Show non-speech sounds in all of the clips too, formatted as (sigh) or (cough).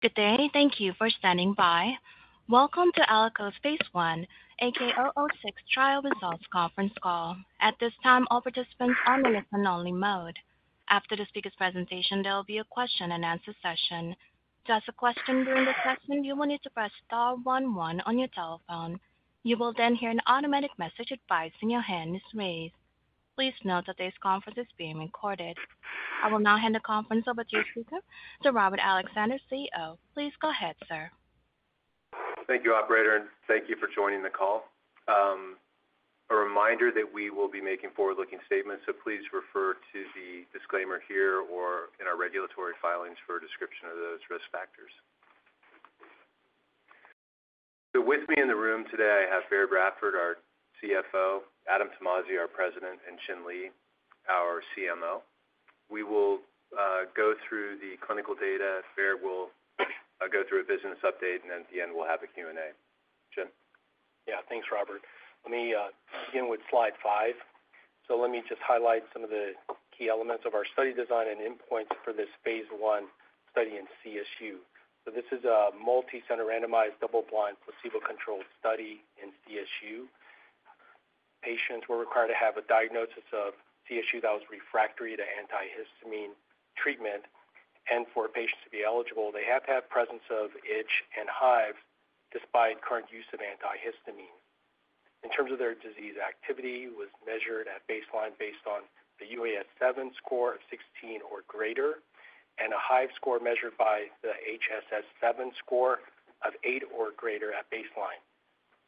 Good day, thank you for standing by. Welcome to Allakos phase I AK006 Trial Results Conference Call. At this time, all participants are on the listen-only mode. After the speaker's presentation, there will be a question-and-answer session. To ask a question during the session, you will need to press star one one on your telephone. You will then hear an automatic message advising your hand is raised. Please note that this conference is being recorded. I will now hand the conference over to your speaker, Sir Robert Alexander, CEO. Please go ahead, Sir. Thank you, Operator, and thank you for joining the call. A reminder that we will be making forward-looking statements, so please refer to the disclaimer here or in our regulatory filings for a description of those risk factors. So with me in the room today, I have Baird Radford, our CFO, Adam Tomasi, our President, and Chin Lee, our CMO. We will go through the clinical data. Baird will go through a business update, and then at the end, we'll have a Q&A. Chin? Yeah, thanks, Robert. Let me begin with slide five. Let me just highlight some of the key elements of our study design and endpoints for this phase I study in CSU. This is a multi-center randomized double-blind placebo-controlled study in CSU. Patients were required to have a diagnosis of CSU that was refractory to antihistamine treatment. For patients to be eligible, they have to have presence of itch and hives despite current use of antihistamine. In terms of their disease activity, it was measured at baseline based on the UAS7 score of 16 or greater and a hive score measured by the HSS7 score of eight or greater at baseline.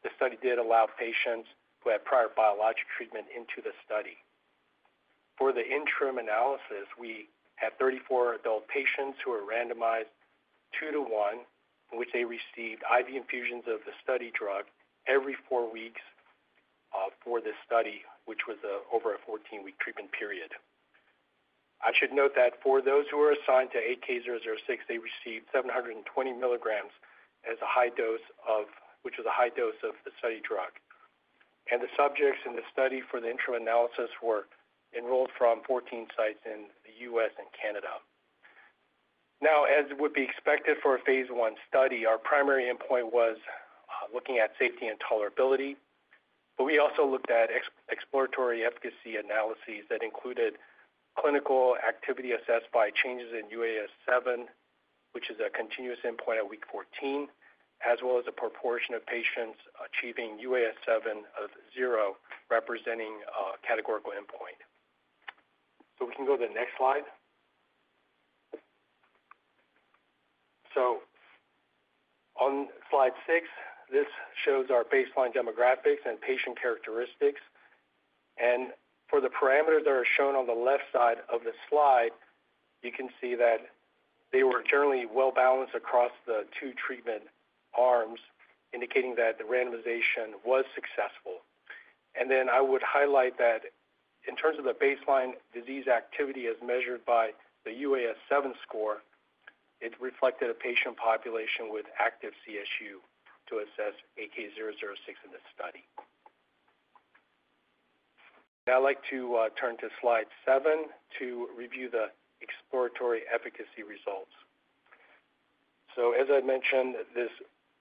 The study did allow patients who had prior biologic treatment into the study. For the interim analysis, we had 34 adult patients who were randomized 2 to 1, in which they received IV infusions of the study drug every four weeks for this study, which was over a 14-week treatment period. I should note that for those who were assigned to AK006, they received 720 milligrams, which was a high dose of the study drug. And the subjects in the study for the interim analysis were enrolled from 14 sites in the US and Canada. Now, as would be expected for a phase I study, our primary endpoint was looking at safety and tolerability. But we also looked at exploratory efficacy analyses that included clinical activity assessed by changes in UAS7, which is a continuous endpoint at week 14, as well as a proportion of patients achieving UAS7 of 0 representing a categorical endpoint. So we can go to the next slide. On slide six, this shows our baseline demographics and patient characteristics. For the parameters that are shown on the left side of the slide, you can see that they were generally well-balanced across the two treatment arms, indicating that the randomization was successful. I would highlight that in terms of the baseline disease activity as measured by the UAS7 score, it reflected a patient population with active CSU to assess AK006 in this study. Now, I'd like to turn to slide seven to review the exploratory efficacy results. As I mentioned, this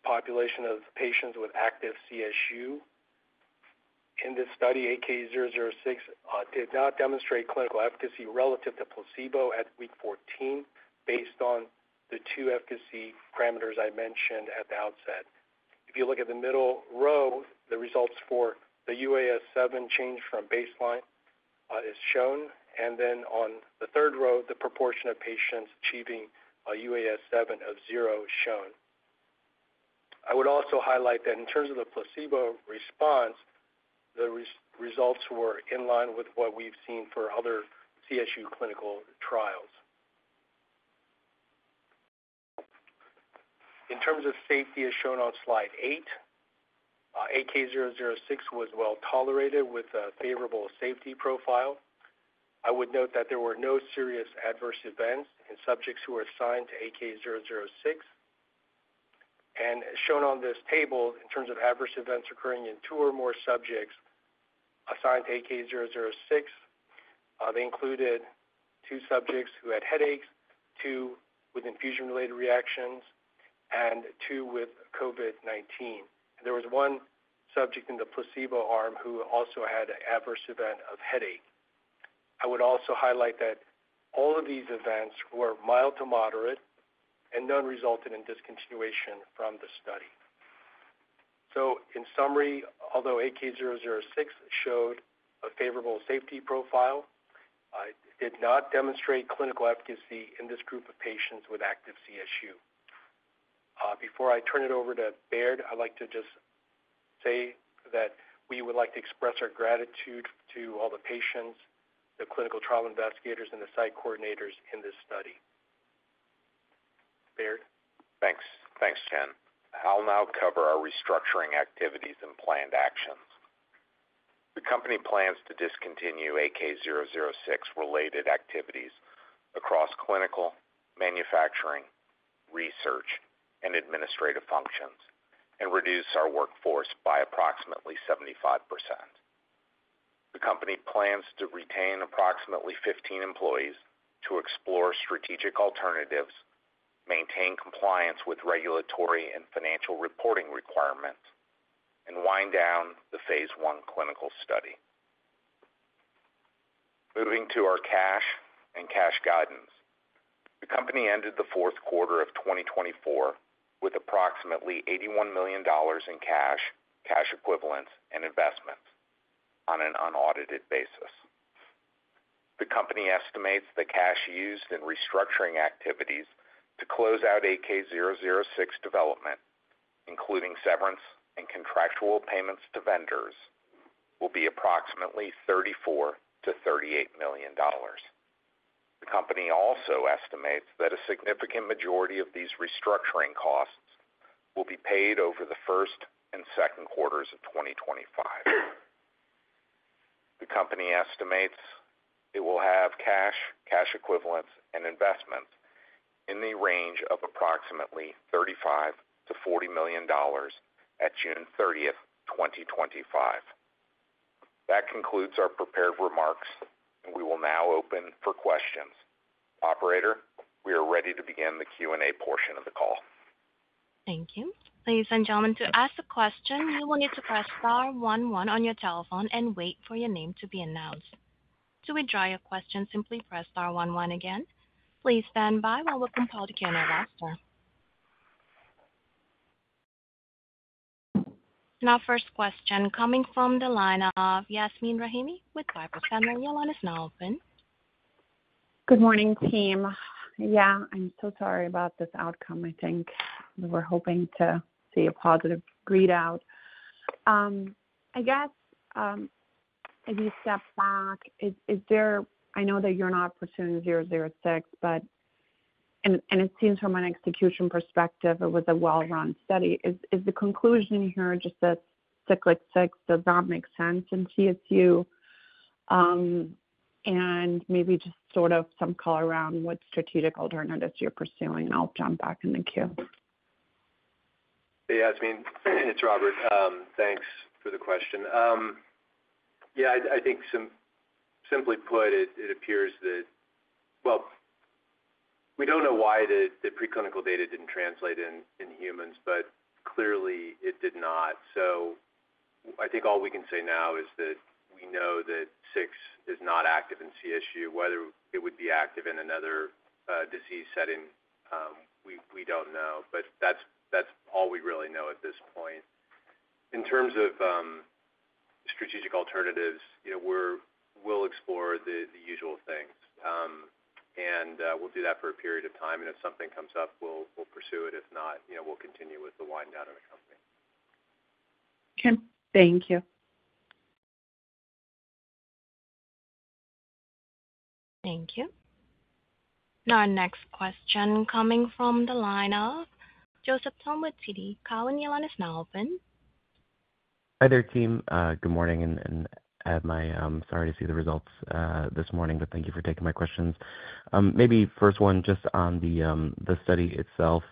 population of patients with active CSU in this study, AK006 did not demonstrate clinical efficacy relative to placebo at week 14 based on the two efficacy parameters I mentioned at the outset. If you look at the middle row, the results for the UAS7 change from baseline is shown. And then on the third row, the proportion of patients achieving UAS7 of 0 is shown. I would also highlight that in terms of the placebo response, the results were in line with what we've seen for other CSU clinical trials. In terms of safety, as shown on slide eight, AK006 was well-tolerated with a favorable safety profile. I would note that there were no serious adverse events in subjects who were assigned to AK006. And as shown on this table, in terms of adverse events occurring in two or more subjects assigned to AK006, they included two subjects who had headaches, two with infusion-related reactions, and two with COVID-19. There was one subject in the placebo arm who also had an adverse event of headache. I would also highlight that all of these events were mild to moderate and none resulted in discontinuation from the study. So in summary, although AK006 showed a favorable safety profile, it did not demonstrate clinical efficacy in this group of patients with active CSU. Before I turn it over to Baird, I'd like to just say that we would like to express our gratitude to all the patients, the clinical trial investigators, and the site coordinators in this study. Baird? Thanks. Thanks, Chin. I'll now cover our restructuring activities and planned actions. The company plans to discontinue AK006-related activities across clinical, manufacturing, research, and administrative functions and reduce our workforce by approximately 75%. The company plans to retain approximately 15 employees to explore strategic alternatives, maintain compliance with regulatory and financial reporting requirements, and wind down the phase I clinical study. Moving to our cash and cash guidance. The company ended the fourth quarter of 2024 with approximately $81 million in cash, cash equivalents, and investments on an unaudited basis. The company estimates the cash used in restructuring activities to close out AK006 development, including severance and contractual payments to vendors, will be approximately $34-$38 million. The company also estimates that a significant majority of these restructuring costs will be paid over the first and second quarters of 2025. The company estimates it will have cash, cash equivalents, and investments in the range of approximately $35-$40 million at June 30th, 2025. That concludes our prepared remarks, and we will now open for questions. Operator, we are ready to begin the Q&A portion of the call. Thank you. Ladies and gentlemen, to ask a question, you will need to press star one one on your telephone and wait for your name to be announced. To withdraw your question, simply press star one one again. Please stand by while we connect the caller. And our first question coming from the line of Yasmeen Rahimi with Piper Sandler. Your line is now open. Good morning, team. Yeah, I'm so sorry about this outcome. I think we were hoping to see a positive readout. I guess if you step back, I know that you're not pursuing 006, but it seems from an execution perspective, it was a well-run study. Is the conclusion here just a Siglec-6? Does that make sense in CSU? And maybe just sort of some color around what strategic alternatives you're pursuing, and I'll jump back in the queue. Yeah, it's me. It's Robert. Thanks for the question. Yeah, I think simply put, it appears that, well, we don't know why the preclinical data didn't translate in humans, but clearly it did not, so I think all we can say now is that we know that 6 is not active in CSU. Whether it would be active in another disease setting, we don't know, but that's all we really know at this point. In terms of strategic alternatives, we'll explore the usual things, and we'll do that for a period of time, and if something comes up, we'll pursue it. If not, we'll continue with the wind down of the company. Hmmkay, thank you. Thank you. Now, our next question coming from the line of Joseph Thome TD Cowen. Your line is now open. Hi there, team. Good morning. And I'm sorry to see the results this morning, but thank you for taking my questions. Maybe first one, just on the study itself,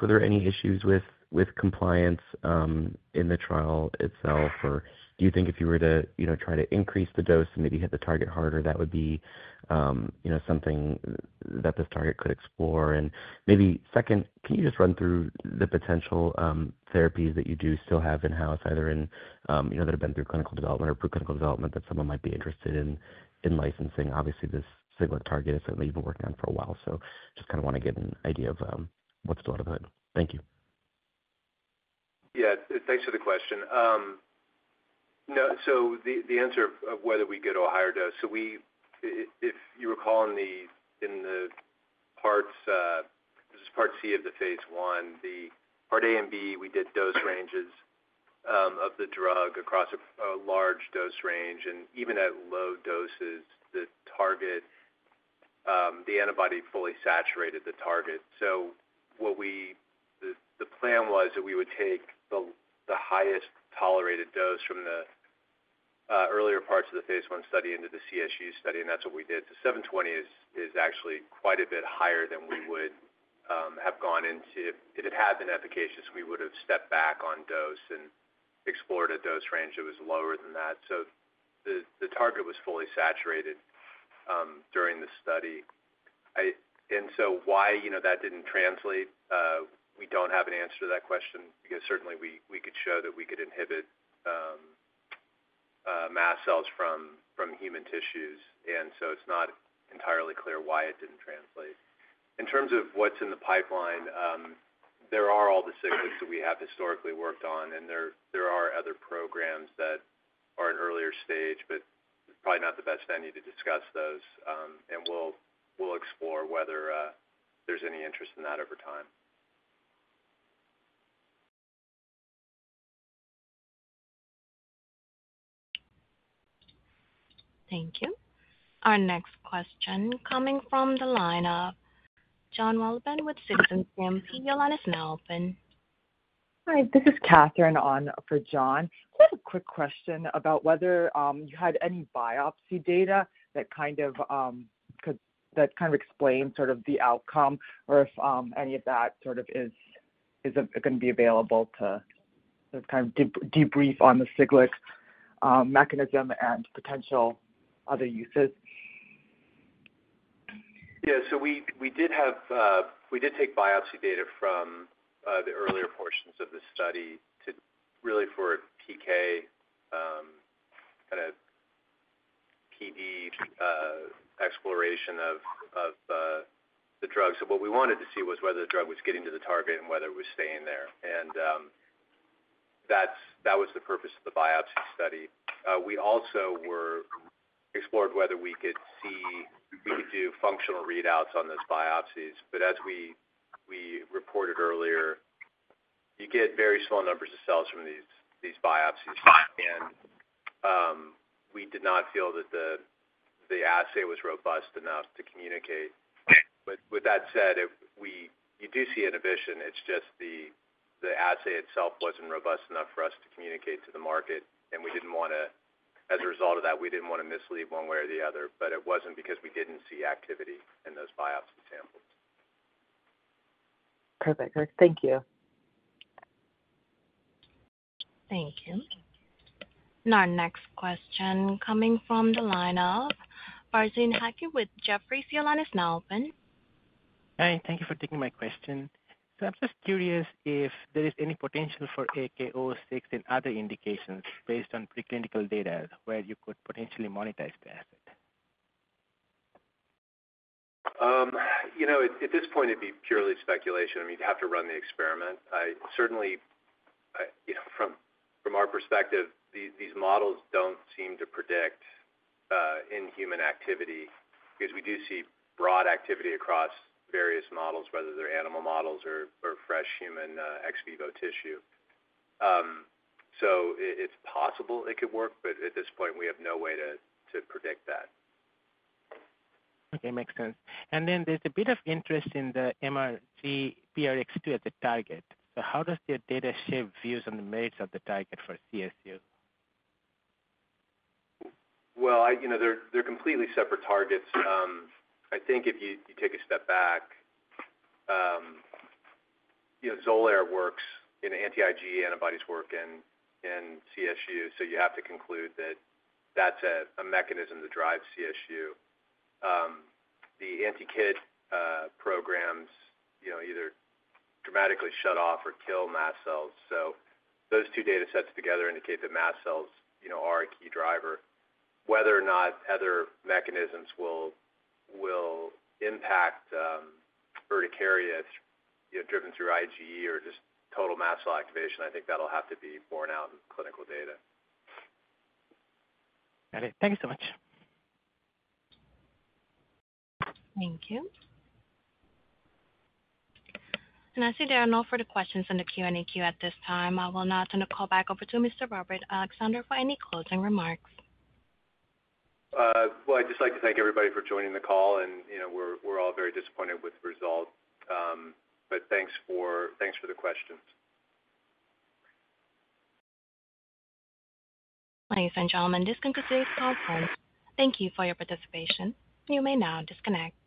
were there any issues with compliance in the trial itself? Or do you think if you were to try to increase the dose and maybe hit the target harder, that would be something that this target could explore? And maybe second, can you just run through the potential therapies that you do still have in-house, either that have been through clinical development or preclinical development, that someone might be interested in licensing? Obviously, this Siglec target is something you've been working on for a while. So just kind of want to get an idea of what's still under the hood. Thank you. Yeah, thanks for the question. So the answer of whether we get a higher dose, so if you recall in the past, this is part C of the phase I, part A and B, we did dose ranges of the drug across a large dose range. And even at low doses, the antibody fully saturated the target. So the plan was that we would take the highest tolerated dose from the earlier parts of the phase I study into the CSU study. And that's what we did. So 720 is actually quite a bit higher than we would have gone into. If it had been efficacious, we would have stepped back on dose and explored a dose range that was lower than that. So the target was fully saturated during the study. And so why that didn't translate, we don't have an answer to that question because certainly we could show that we could inhibit mast cells from human tissues. And so it's not entirely clear why it didn't translate. In terms of what's in the pipeline, there are all the Siglecs that we have historically worked on. And there are other programs that are at earlier stage, but it's probably not the best venue to discuss those. And we'll explore whether there's any interest in that over time. Thank you. Our next question coming from the line of John Wolleben with JMP Securities. Your line is now open. Hi, this is Katherine on for John. Just a quick question about whether you had any biopsy data that kind of explains sort of the outcome or if any of that sort of is going to be available to kind of debrief on the Siglec mechanism and potential other uses? Yeah, so we did take biopsy data from the earlier portions of the study really for PK, kind of PD exploration of the drug. So what we wanted to see was whether the drug was getting to the target and whether it was staying there. And that was the purpose of the biopsy study. We also explored whether we could do functional readouts on those biopsies. But as we reported earlier, you get very small numbers of cells from these biopsies. And we did not feel that the assay was robust enough to communicate. But with that said, you do see inhibition. It's just the assay itself wasn't robust enough for us to communicate to the market. And as a result of that, we didn't want to mislead one way or the other. But it wasn't because we didn't see activity in those biopsy samples. Perfect. Thank you. Thank you. Now, our next question coming from the line of (audio distortion) from Jefferies. Your line is now open. Hi. Thank you for taking my question. So I'm just curious if there is any potential for AK006 in other indications based on preclinical data where you could potentially monetize the asset? At this point, it'd be purely speculation. I mean, you'd have to run the experiment. Certainly, from our perspective, these models don't seem to predict in-human activity because we do see broad activity across various models, whether they're animal models or fresh human ex vivo tissue. So it's possible it could work, but at this point, we have no way to predict that. Okay. Makes sense. And then there's a bit of interest in the MRGPRX2 as a target. So how does your data shape views on the merits of the target for CSU? They're completely separate targets. I think if you take a step back, Xolair works and anti-IgE antibodies work in CSU. So you have to conclude that that's a mechanism to drive CSU. The anti-KIT programs either dramatically shut off or kill mast cells. So those two data sets together indicate that mast cells are a key driver. Whether or not other mechanisms will impact urticaria driven through IgE or just total mast cell activation, I think that'll have to be borne out in clinical data. Got it. Thank you so much. Thank you. And I see there are no further questions in the Q&A queue at this time. I will now turn the call back over to Mr. Robert Alexander for any closing remarks. I'd just like to thank everybody for joining the call. We're all very disappointed with the result. Thanks for the questions. Ladies and gentlemen, this concludes today's call. Thank you for your participation. You may now disconnect.